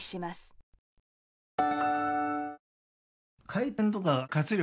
回転とか活力